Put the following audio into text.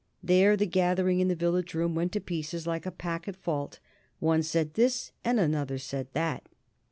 There the gathering in the Village Room went to pieces like a pack at fault. One said this, and another said that.